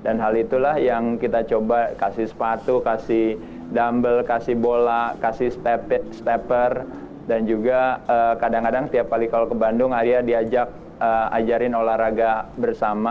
dan hal itulah yang kita coba kasih sepatu kasih dumbbell kasih bola kasih stepper dan juga kadang kadang tiap kali kalau ke bandung aria diajak ajarin olahraga bersama